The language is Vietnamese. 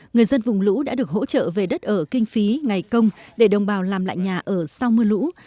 người dân vùng lũ đã được hỗ trợ về đất ở kinh phí ngày công để đồng bào làm lại nhà ở sau mưa lũ